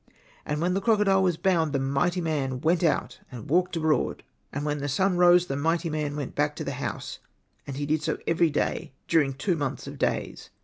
And when the crocodile was bound, the mighty man went out and walked abroad. And when the sun rose the mighty man went back to the house ; and he did so every day, during two months of days.